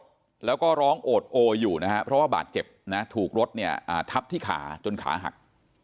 เราก็ร้องโอดโออยู่เพราะว่าบาดเจ็บถูกรถทับที่ขาจนขาหัก